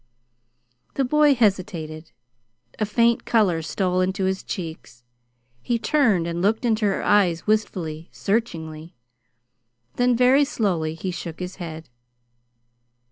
The boy hesitated. A faint color stole into his cheeks. He turned and looked into her eyes wistfully, searchingly. Then very slowly he shook his head.